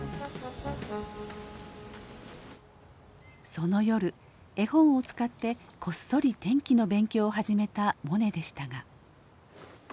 その夜絵本を使ってこっそり天気の勉強を始めたモネでしたが。